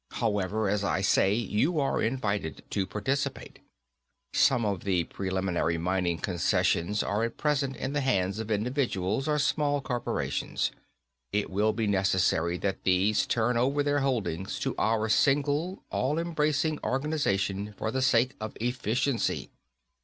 However, as I say, you are invited to participate._ _Some of the preliminary mining concessions are at present in the hands of individuals or small corporations. It will be necessary that these turn over their holdings to our single all embracing organization for the sake of efficiency.